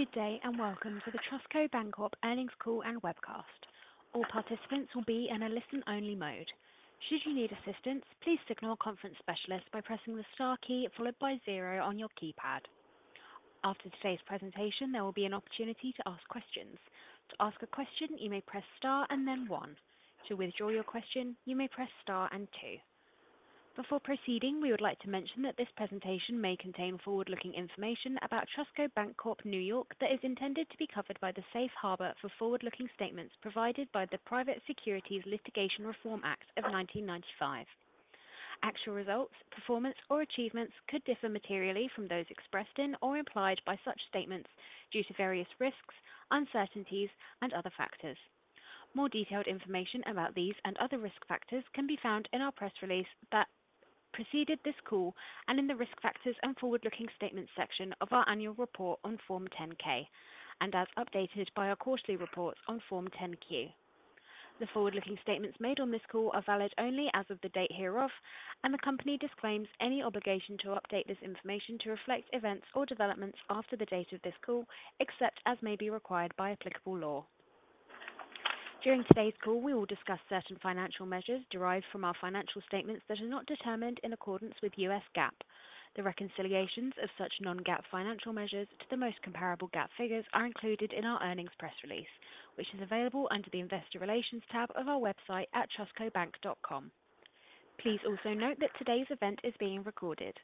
Good day, and welcome to the TrustCo Bank Corp Earnings Call and Webcast. All participants will be in a listen-only mode. Should you need assistance, please signal a conference specialist by pressing the star key, followed by zero on your keypad. After today's presentation, there will be an opportunity to ask questions. To ask a question, you may press star and then one. To withdraw your question, you may press star and two. Before proceeding, we would like to mention that this presentation may contain forward-looking information about TrustCo Bank Corp, New York, that is intended to be covered by the Safe Harbor for Forward-Looking Statements provided by the Private Securities Litigation Reform Act of 1995. Actual results, performance, or achievements could differ materially from those expressed in or implied by such statements due to various risks, uncertainties, and other factors. More detailed information about these and other risk factors can be found in our press release that preceded this call and in the Risk Factors and Forward-Looking Statements section of our annual report on Form 10-K and as updated by our quarterly reports on Form 10-Q. The forward-looking statements made on this call are valid only as of the date hereof, and the company disclaims any obligation to update this information to reflect events or developments after the date of this call, except as may be required by applicable law. During today's call, we will discuss certain financial measures derived from our financial statements that are not determined in accordance with U.S. GAAP. The reconciliations of such non-GAAP financial measures to the most comparable GAAP figures are included in our earnings press release, which is available under the Investor Relations tab of our website at trustcobank.com. Please also note that today's event is being recorded.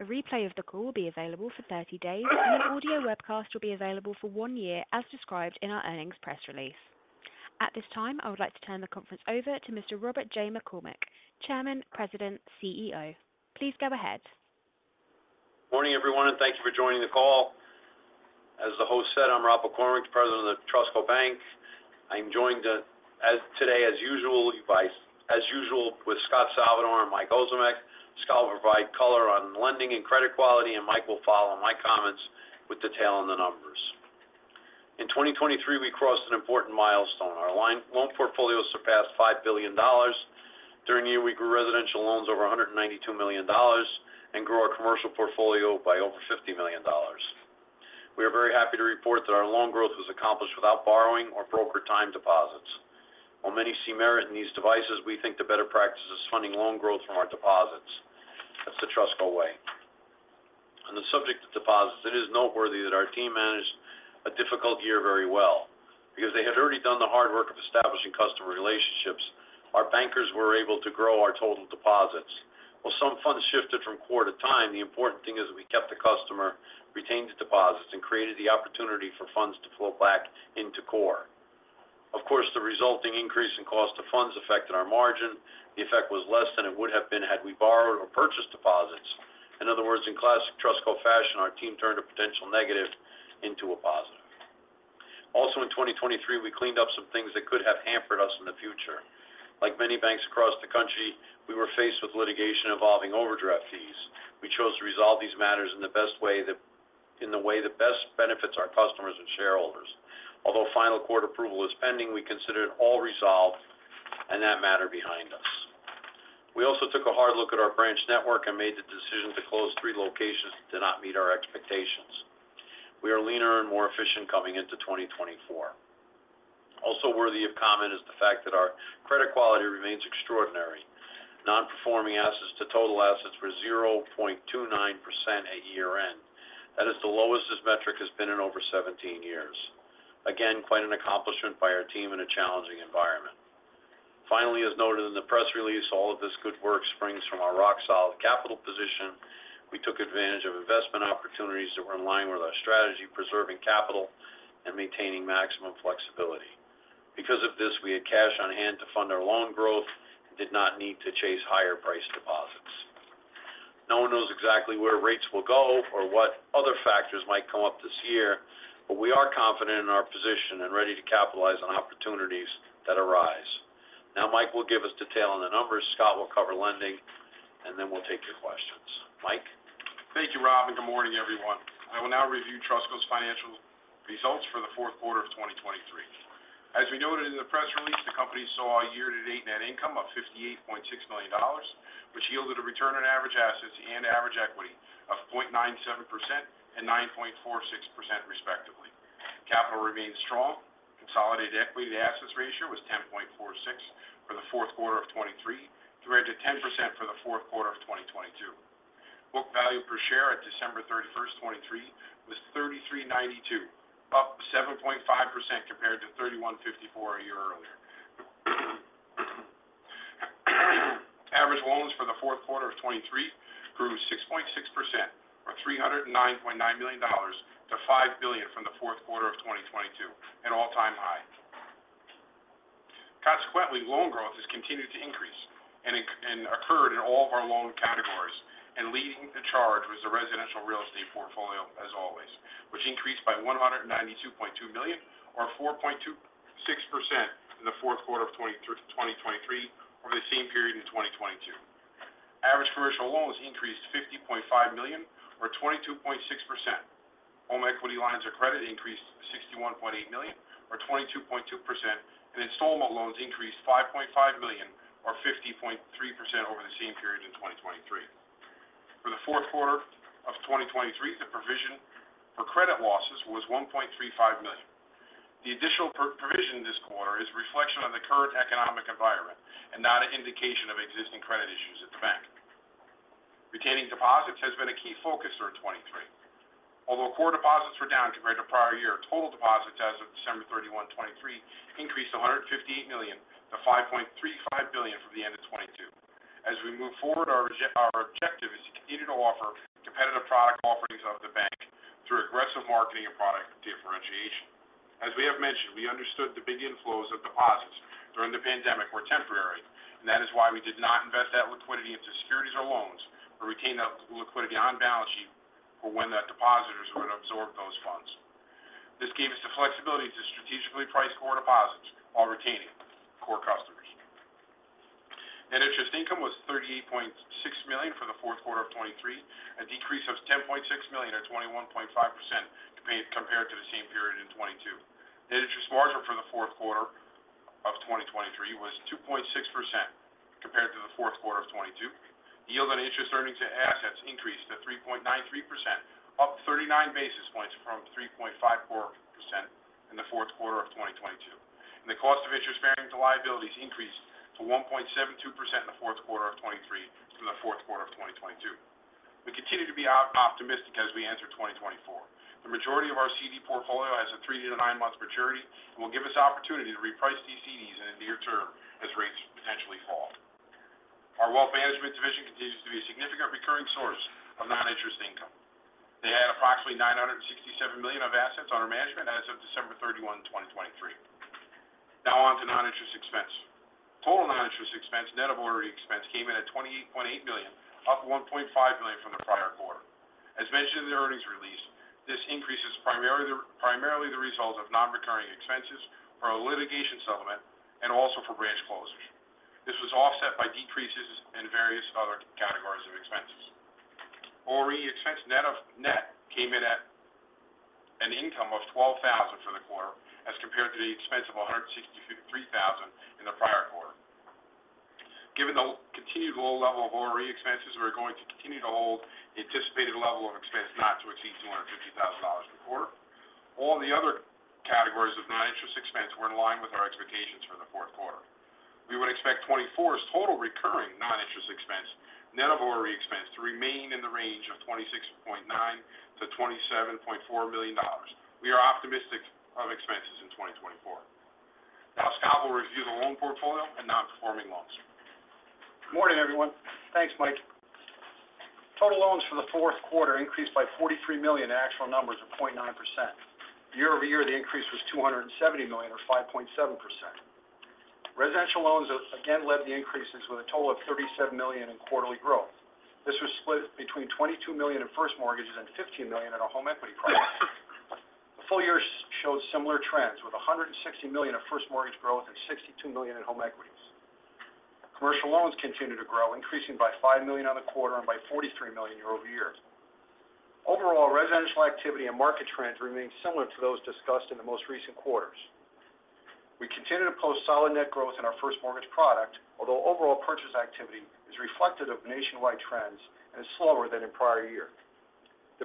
A replay of the call will be available for 30 days, and an audio webcast will be available for one year, as described in our earnings press release. At this time, I would like to turn the conference over to Mr. Robert J. McCormick, Chairman, President, CEO. Please go ahead. Morning, everyone, and thank you for joining the call. As the host said, I'm Rob McCormick, President of TrustCo Bank. I'm joined as usual with Scott Salvador and Mike Ozimek. Scott will provide color on lending and credit quality, and Mike will follow my comments with detail on the numbers. In 2023, we crossed an important milestone. Our loan portfolio surpassed $5 billion. During the year, we grew residential loans over $192 million and grew our commercial portfolio by over $50 million. We are very happy to report that our loan growth was accomplished without borrowing or broker time deposits. While many see merit in these devices, we think the better practice is funding loan growth from our deposits. That's the TrustCo way. On the subject of deposits, it is noteworthy that our team managed a difficult year very well. Because they had already done the hard work of establishing customer relationships, our bankers were able to grow our total deposits. While some funds shifted from core to time, the important thing is we kept the customer, retained the deposits, and created the opportunity for funds to flow back into core. Of course, the resulting increase in cost of funds affected our margin. The effect was less than it would have been had we borrowed or purchased deposits. In other words, in classic TrustCo fashion, our team turned a potential negative into a positive. Also, in 2023, we cleaned up some things that could have hampered us in the future. Like many banks across the country, we were faced with litigation involving overdraft fees. We chose to resolve these matters in the way that best benefits our customers and shareholders. Although final court approval is pending, we consider it all resolved and that matter behind us. We also took a hard look at our branch network and made the decision to close three locations that did not meet our expectations. We are leaner and more efficient coming into 2024. Also worthy of comment is the fact that our credit quality remains extraordinary. Non-Performing Assets to total assets were 0.29% at year-end. That is the lowest this metric has been in over 17 years. Again, quite an accomplishment by our team in a challenging environment. Finally, as noted in the press release, all of this good work springs from our rock-solid capital position. We took advantage of investment opportunities that were in line with our strategy, preserving capital and maintaining maximum flexibility. Because of this, we had cash on hand to fund our loan growth and did not need to chase higher price deposits. No one knows exactly where rates will go or what other factors might come up this year, but we are confident in our position and ready to capitalize on opportunities that arise. Now, Mike will give us detail on the numbers, Scott will cover lending, and then we'll take your questions. Mike? Thank you, Rob, and good morning, everyone. I will now review TrustCo's financial results for the fourth quarter of 2023. As we noted in the press release, the company saw a year-to-date net income of $58.6 million, which yielded a return on average assets and average equity of 0.97% and 9.46%, respectively. Capital remains strong. Consolidated equity to assets ratio was 10.46% for the fourth quarter of 2023, compared to 10% for the fourth quarter of 2022. Book value per share at December 31st, 2023, was $33.92, up 7.5% compared to $31.54 a year earlier. Average loans for the fourth quarter of 2023 grew 6.6% or $309.9 million-$5 billion from the fourth quarter of 2022, an all-time high. Consequently, loan growth has continued to increase and occurred in all of our loan categories, and leading the charge was the residential real estate portfolio, as always, which increased by $192.2 million or 4.26% in the fourth quarter of 2023 over the same period in 2022. Average commercial loans increased $50.5 million or 22.6%. Home equity lines of credit increased to $61.8 million or 22.2%, and installment loans increased $5.5 million or 50.3% over the same period in 2023. For the fourth quarter of 2023, the provision for credit losses was $1.35 million. The additional provision this quarter is a reflection on the current economic environment and not an indication of existing credit issues at the bank. Retaining deposits has been a key focus for 2023. Although core deposits were down compared to prior year, total deposits as of December 31, 2023, increased to $158 million-$5.35 billion from the end of 2022. As we move forward, our objective is to continue to offer competitive product offerings of the bank through aggressive marketing and product differentiation. As we have mentioned, we understood the big inflows of deposits during the pandemic were temporary, and that is why we did not invest that liquidity into securities or loans, but retained that liquidity on the balance sheet for when that depositors were to absorb those funds. This gave us the flexibility to strategically price core deposits while retaining core customers. Net interest income was $38.6 million for the fourth quarter of 2023, a decrease of $10.6 million, or 21.5% compared to the same period in 2022. The interest margin for the fourth quarter of 2023 was 2.6% compared to the fourth quarter of 2022. Yield on interest earnings to assets increased to 3.93%, up 39 basis points from 3.54% in the fourth quarter of 2022. The cost of interest spending to liabilities increased to 1.72% in the fourth quarter of 2023 from the fourth quarter of 2022. We continue to be optimistic as we enter 2024. The majority of our CD portfolio has a three to nine-month maturity and will give us the opportunity to reprice these CDs in the near term as rates potentially fall. Our wealth management division continues to be a significant recurring source of non-interest income. They had approximately $967 million of assets under management as of December 31, 2023. Now on to non-interest expense. Total non-interest expense, net of ORE expense, came in at $28.8 million, up $1.5 million from the prior quarter. As mentioned in the earnings release, this increase is primarily the result of non-recurring expenses for a litigation settlement and also for branch closures. This was offset by decreases in various other categories of expenses. ORE expense, net, came in at an income of $12,000 for the quarter, as compared to the expense of $163,000 in the prior quarter. Given the continued low level of ORE expenses, we're going to continue to hold the anticipated level of expense not to exceed $250,000 in the quarter. All the other categories of non-interest expense were in line with our expectations for the fourth quarter. We would expect 2024's total recurring non-interest expense, net of ORE expense, to remain in the range of $26.9 million-$27.4 million. We are optimistic of expenses in 2024. Now, Scott will review the loan portfolio and non-performing loans. Good morning, everyone. Thanks, Mike. Total loans for the fourth quarter increased by $43 million in actual numbers of 0.9%. Year-over-year, the increase was $270 million, or 5.7%. Residential loans again led the increases with a total of $37 million in quarterly growth. This was split between $22 million in first mortgages and $15 million in a home equity product. The full year showed similar trends, with $160 million of first mortgage growth and $62 million in home equities. Commercial loans continued to grow, increasing by $5 million on the quarter and by $43 million year-over-year. Overall, residential activity and market trends remain similar to those discussed in the most recent quarters. We continue to post solid net growth in our first mortgage product, although overall purchase activity is reflective of nationwide trends and is slower than in prior year.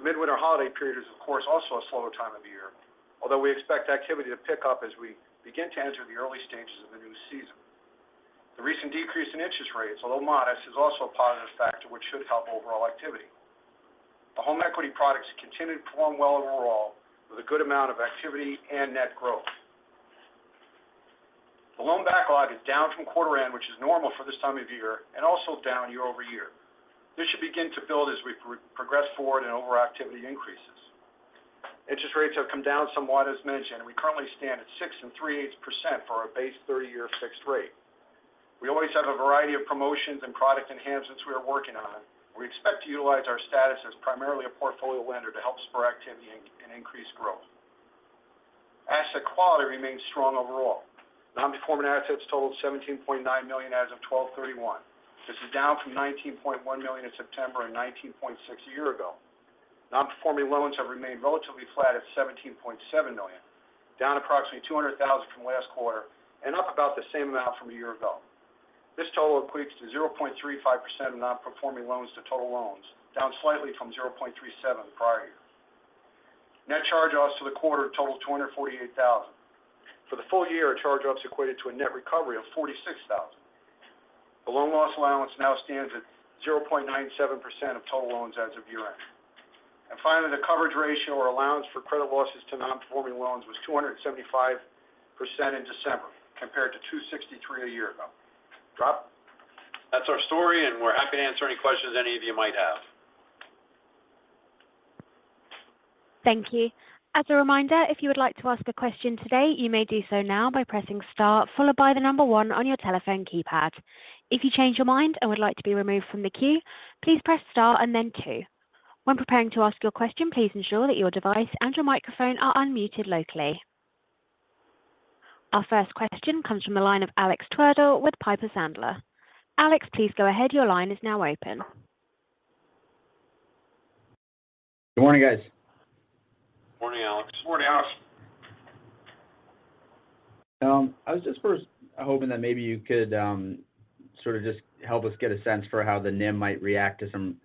The midwinter holiday period is, of course, also a slower time of year, although we expect activity to pick up as we begin to enter the early stages of the new season. The recent decrease in interest rates, although modest, is also a positive factor, which should help overall activity. The home equity products continued to perform well overall, with a good amount of activity and net growth. The loan backlog is down from quarter end, which is normal for this time of year, and also down year-over-year. This should begin to build as we progress forward and overall activity increases. Interest rates have come down somewhat, as mentioned, and we currently stand at 6.375% for our base 30-year fixed rate. We always have a variety of promotions and product enhancements we are working on. We expect to utilize our status as primarily a portfolio lender to help spur activity and increase growth. Asset quality remains strong overall. Non-performing assets totaled $17.9 million as of 12/31. This is down from $19.1 million in September and $19.6 million a year ago. Non-performing loans have remained relatively flat at $17.7 million, down approximately $200,000 from last quarter and up about the same amount from a year ago. This total equates to 0.35% of non-performing loans to total loans, down slightly from 0.37% the prior year. Net charge-offs for the quarter totaled $248,000. For the full year, our charge-offs equated to a net recovery of $46,000. The loan loss allowance now stands at 0.97% of total loans as of year-end. Finally, the coverage ratio or allowance for credit losses to non-performing loans was 275% in December, compared to 263% a year ago. Rob? That's our story, and we're happy to answer any questions any of you might have. Thank you. As a reminder, if you would like to ask a question today, you may do so now by pressing star, followed by the number one on your telephone keypad. If you change your mind and would like to be removed from the queue, please press star and then two. When preparing to ask your question, please ensure that your device and your microphone are unmuted locally. Our first question comes from the line of Alex Twerdahl with Piper Sandler. Alex, please go ahead. Your line is now open. Good morning, guys. I was just first hoping that maybe you could, sort of just help us get a sense for how the NIM might react to some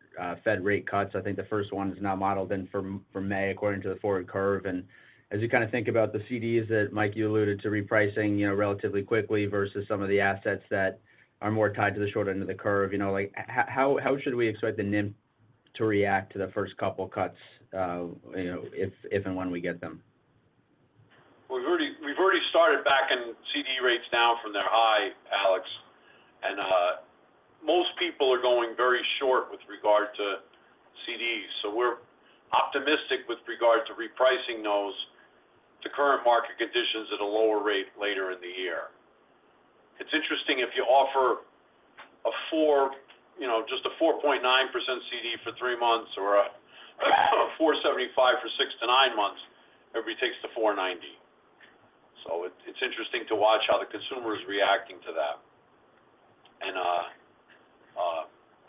Fed rate cuts. I think the first one is now modeled in for May, according to the forward curve. And as you kind of think about the CDs that, Mike, you alluded to repricing, you know, relatively quickly versus some of the assets that are more tied to the shorter end of the curve, you know, like, how should we expect the NIM to react to the first couple cuts, you know, if and when we get them? We've already, we've already started backing CD rates down from their high, Alex. And, most people are going very short with regard to CDs. So we're optimistic with regard to repricing those to current market conditions at a lower rate later in the year. It's interesting, if you offer a four just a 4.9% CD for three months or a, a 4.75 for six to nine months, everybody takes the 4.90. So it, it's interesting to watch how the consumer is reacting to that. And,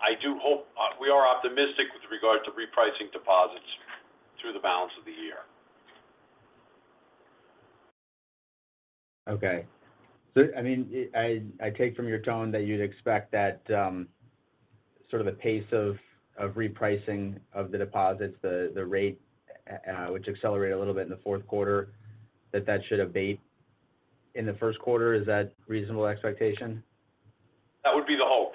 I do hope we are optimistic with regard to repricing deposits through the balance of the year. Okay. So, I mean, I take from your tone that you'd expect that sort of the pace of repricing of the deposits, the rate which accelerated a little bit in the fourth quarter, that that should abate in the first quarter. Is that reasonable expectation? That would be the hope.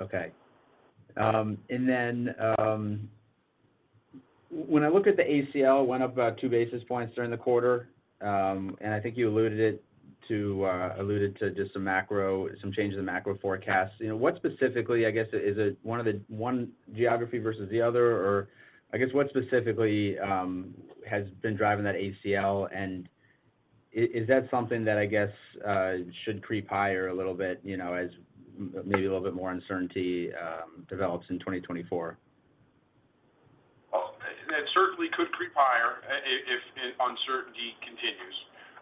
Okay. And then, when I look at the ACL, went up about two basis points during the quarter. And I think you alluded to just some macro, some changes in macro forecasts. You know, what specifically, I guess, is it one geography versus the other? Or I guess, what specifically, has been driving that ACL? And is that something that, I guess, should creep higher a little bit, you know, as maybe a little bit more uncertainty develops in 2024? Well, it certainly could creep higher if uncertainty continues.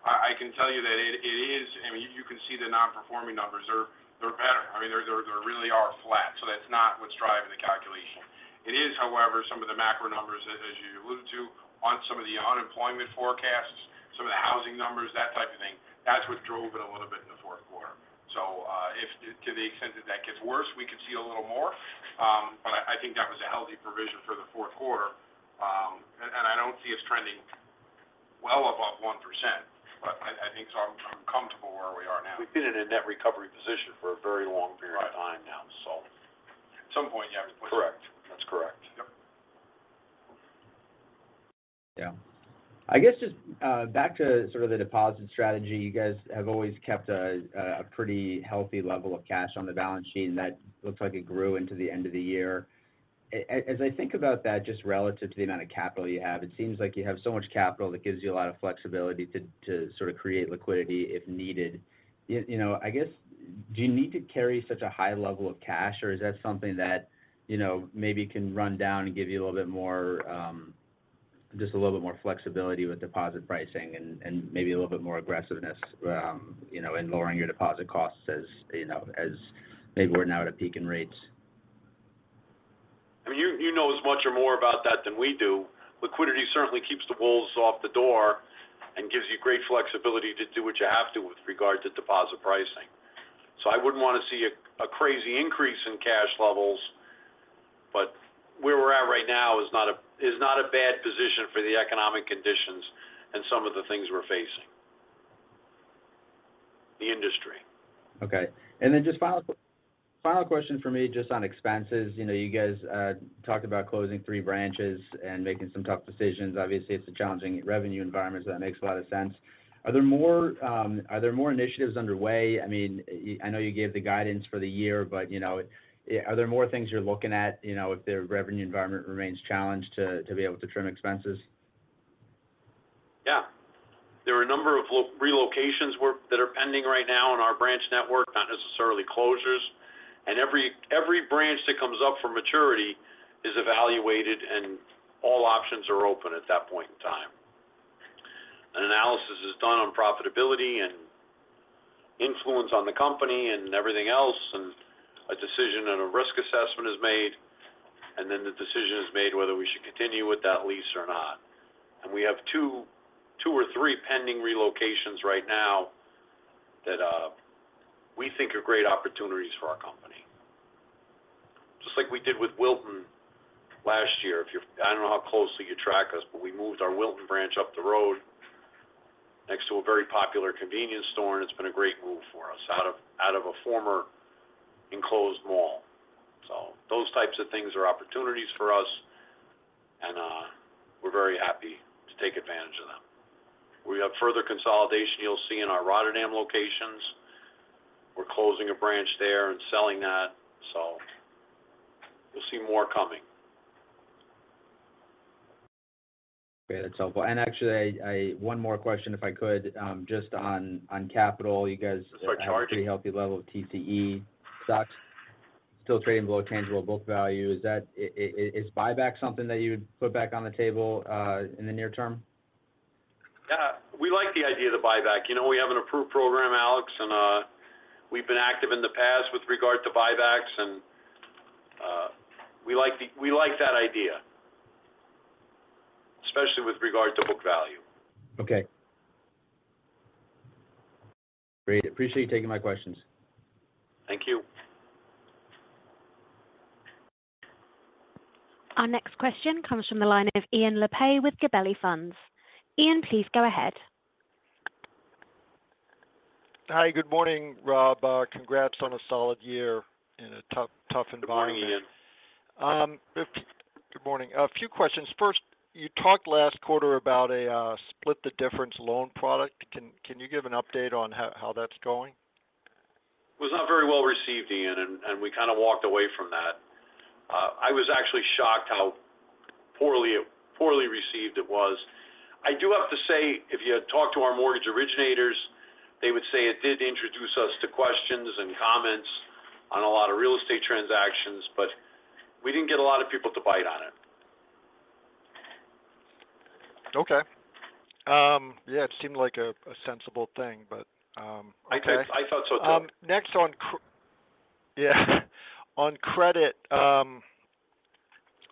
I can tell you that it is, you can see the non-performing numbers are, they're better. I mean, they're really are flat, so that's not what's driving the calculation. It is, however, some of the macro numbers, as you alluded to, on some of the unemployment forecasts, some of the housing numbers, that type of thing. That's what drove it a little bit in the fourth quarter. So, if to the extent that that gets worse, we could see a little more. But I think that was a healthy provision for the fourth quarter. And I don't see us trending well above 1%, but I think so I'm comfortable where we are now. We've been in a net recovery position for a very long period of time now. Right. Correct. That's correct. Yep. Yeah. I guess just back to sort of the deposit strategy. You guys have always kept a pretty healthy level of cash on the balance sheet, and that looks like it grew into the end of the year. As I think about that, just relative to the amount of capital you have, it seems like you have so much capital that gives you a lot of flexibility to sort of create liquidity if needed. You know, I guess, do you need to carry such a high level of cash, or is that something that you know maybe can run down and give you a little bit more just a little bit more flexibility with deposit pricing and maybe a little bit more aggressiveness you know in lowering your deposit costs as you know as maybe we're now at a peak in rates? As much or more about that than we do. Liquidity certainly keeps the wolves off the door and gives you great flexibility to do what you have to with regard to deposit pricing. So I wouldn't want to see a crazy increase in cash levels, but where we're at right now is not a bad position for the economic conditions and some of the things we're facing. The industry. Okay. And then just final, final question for me, just on expenses. You know, you guys talked about closing three branches and making some tough decisions. Obviously, it's a challenging revenue environment, so that makes a lot of sense. Are there more, are there more initiatives underway? I mean, I know you gave the guidance for the year, but, you know, are there more things you're looking at, you know, if the revenue environment remains challenged to be able to trim expenses? Yeah. There are a number of relocations that are pending right now in our branch network, not necessarily closures. Every branch that comes up for maturity is evaluated, and all options are open at that point in time. An analysis is done on profitability and influence on the company and everything else, and a decision and a risk assessment is made, and then the decision is made whether we should continue with that lease or not. We have two or three pending relocations right now that we think are great opportunities for our company. Just like we did with Wilton last year. If you're, I don't know how closely you track us, but we moved our Wilton branch up the road next to a very popular convenience store, and it's been a great move for us, out of, out of a former enclosed mall. So those types of things are opportunities for us, and we're very happy to take advantage of them. We have further consolidation you'll see in our Rotterdam locations. We're closing a branch there and selling that, so you'll see more coming. Okay, that's helpful. And actually, one more question, if I could, just on capital. Sure, Alex. You guys have a pretty healthy level of TCE stock, still trading below tangible book value. Is the buyback something that you would put back on the table, in the near term? Yeah. We like the idea of the buyback. You know, we have an approved program, Alex, and we've been active in the past with regard to buybacks and we like that idea, especially with regard to book value. Okay. Great, appreciate you taking my questions. Thank you. Our next question comes from the line of Ian Lapey with Gabelli Funds. Ian, please go ahead. Hi, good morning, Rob. Congrats on a solid year in a tough, tough environment. Good morning, Ian. Good morning. A few questions. First, you talked last quarter about Split the Difference loan product. Can you give an update on how that's going? It was not very well received, Ian, and we kind of walked away from that. I was actually shocked how poorly received it was. I do have to say, if you had talked to our mortgage originators, they would say it did introduce us to questions and comments on a lot of real estate transactions, but we didn't get a lot of people to bite on it. Okay. Yeah, it seemed like a sensible thing, but okay. I thought so, too. Next, yeah, on credit,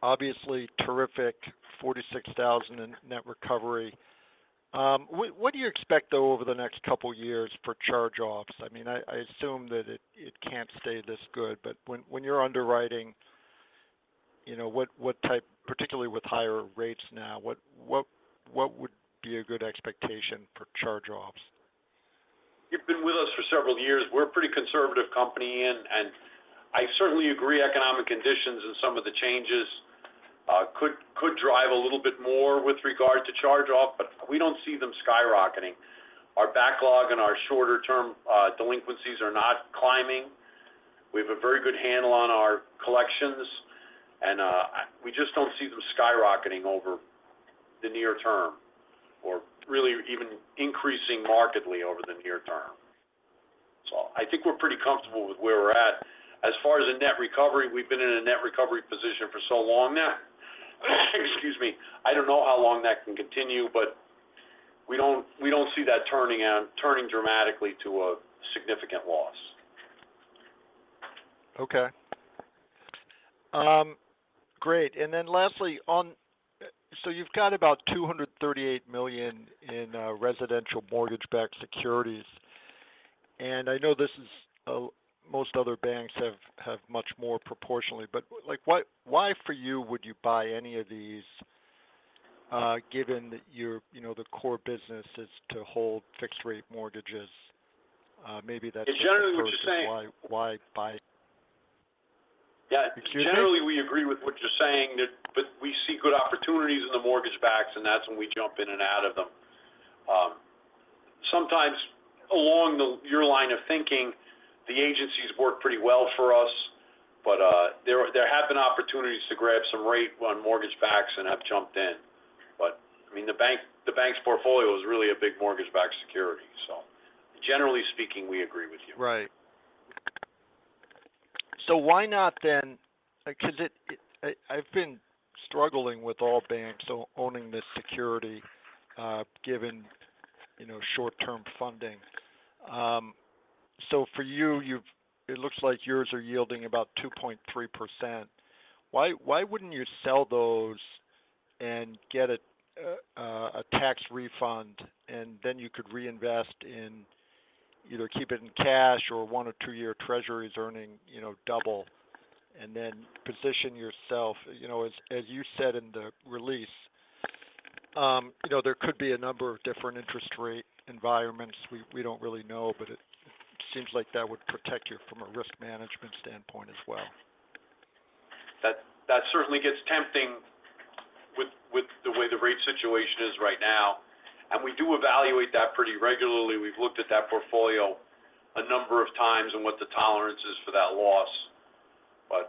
obviously terrific $46,000 in net recovery. What do you expect, though, over the next couple of years for charge-offs? I mean, I assume that it can't stay this good, but when you're underwriting, you know, what would be a good expectation for charge-offs? You've been with us for several years. We're a pretty conservative company, Ian, and I certainly agree, economic conditions and some of the changes, could, could drive a little bit more with regard to charge-off, but we don't see them skyrocketing. Our backlog and our shorter-term, delinquencies are not climbing. We have a very good handle on our collections, and, we just don't see them skyrocketing over the near term or really even increasing markedly over the near term. So I think we're pretty comfortable with where we're at. As far as the net recovery, we've been in a net recovery position for so long now, excuse me, I don't know how long that can continue, but we don't, we don't see that turning out turning dramatically to a significant loss. Okay. Great. And then lastly, so you've got about $238 million in residential mortgage-backed securities. And I know this is, most other banks have much more proportionally, but why would you buy any of these, given that your, you know, the core business is to hold fixed-rate mortgages? Maybe that's. And generally, what you're saying. Why, why buy? Yeah. Excuse me? Generally, we agree with what you're saying, that, but we see good opportunities in the mortgage backs, and that's when we jump in and out of them. Sometimes along your line of thinking, the agencies work pretty well for us, but there have been opportunities to grab some rate on mortgage backs and have jumped in. But, I mean, the bank's portfolio is really a big mortgage-backed security, so generally speaking, we agree with you. Right. So why not then, because I've been struggling with all banks owning this security, given, you know, short-term funding. So for you, it looks like yours are yielding about 2.3%. Why wouldn't you sell those and get a tax refund, and then you could reinvest in either keeping it in cash or one to two-year treasuries earning, you know, double, and then position yourself? You know, as you said in the release, you know, there could be a number of different interest rate environments. We don't really know, but it seems like that would protect you from a risk management standpoint as well. That certainly gets tempting with the way the rate situation is right now, and we do evaluate that pretty regularly. We've looked at that portfolio a number of times and what the tolerance is for that loss. But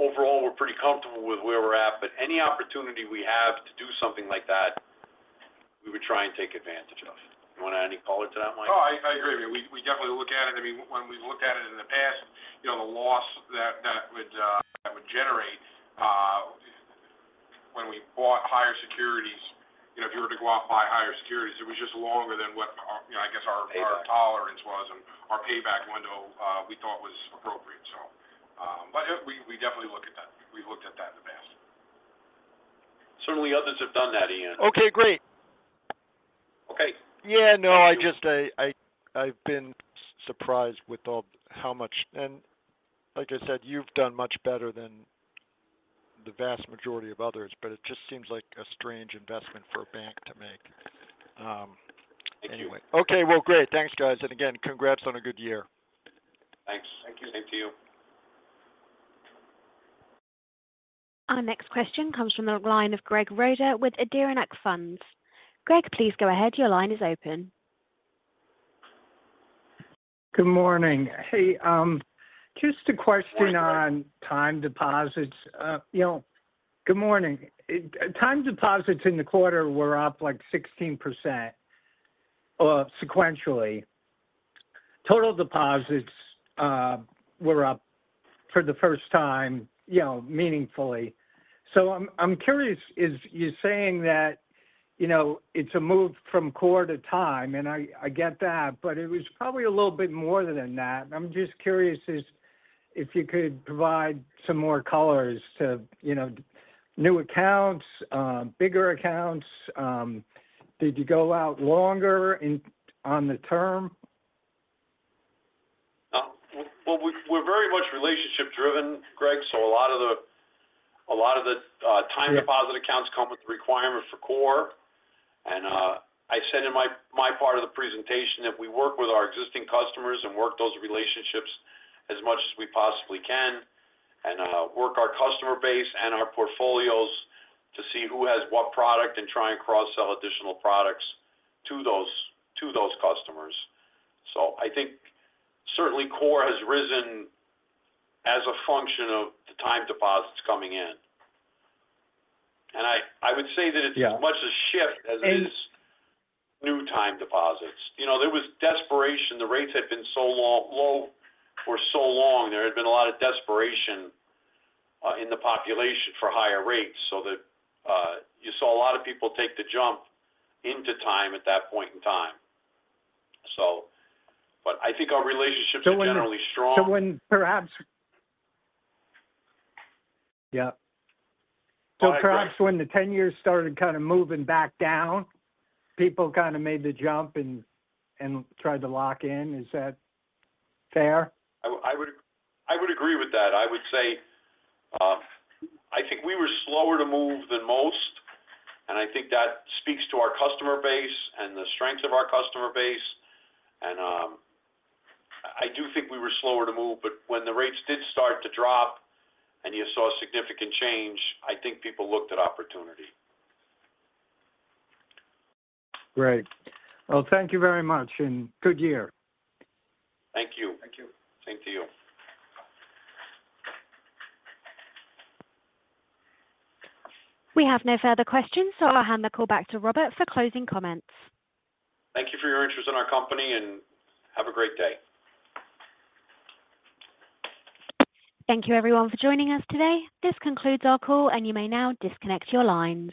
overall, we're pretty comfortable with where we're at, but any opportunity we have to do something like that, we would try and take advantage of. You want to add any color to that, Mike? Oh, I agree with you. We definitely look at it. I mean, when we've looked at it in the past, you know, the loss that would generate when we bought higher securities, you know, if you were to go out and buy higher securities, it was just longer than what, you know, I guess our. Payback Our tolerance was and our payback window, we thought was appropriate. So, but we definitely look at that. We've looked at that in the past. Certainly, others have done that, Ian. Okay, great. Okay. Yeah, no, I just, I've been surprised with all, how much? And like I said, you've done much better than the vast majority of others, but it just seems like a strange investment for a bank to make. Anyway. Thank you. Okay. Well, great. Thanks, guys. And again, congrats on a good year. Thanks. Thank you. Same to you. Our next question comes from the line of Greg Roeder with Adirondack Funds. Greg, please go ahead. Your line is open. Good morning. Hey, just a question on time deposits. Good morning. Time deposits in the quarter were up, like, 16%, sequentially. Total deposits were up for the first time, you know, meaningfully. So I'm curious, is you saying that it's a move from core to time, and I get that, but it was probably a little bit more than that. I'm just curious is if you could provide some more colors to, you know, new accounts, bigger accounts. Did you go out longer in, on the term? Well, we're very much relationship driven, Greg. So a lot of the time deposit accounts come with the requirement for core. And I said in my part of the presentation that we work with our existing customers and work those relationships as much as we possibly can, and work our customer base and our portfolios to see who has what product and try and cross-sell additional products to those customers. So I think certainly core has risen as a function of the time deposits coming in. And I would say that it's as much a shift as it is new time deposits. You know, there was desperation. The rates had been so low, low for so long. There had been a lot of desperation, in the population for higher rates so that, you saw a lot of people take the jump into time at that point in time. So but I think our relationships are generally strong. So when perhaps. All right, Greg. Perhaps when the 10 years started kind of moving back down, people kind of made the jump and tried to lock in. Is that fair? I would agree with that. I would say, I think we were slower to move than most, and I think that speaks to our customer base and the strength of our customer base. And, I do think we were slower to move, but when the rates did start to drop and you saw significant change, I think people looked at opportunity. Great. Well, thank you very much and good year. Thank you. Thank you. Same to you. We have no further questions, so I'll hand the call back to Robert for closing comments. Thank you for your interest in our company, and have a great day. Thank you everyone for joining us today. This concludes our call, and you may now disconnect your lines.